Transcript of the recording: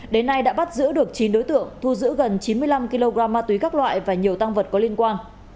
đến nay đã bắt giữ được chín đối tượng thu giữ gần chín mươi năm kg ma túy các loại và nhiều tăng vật có liên quan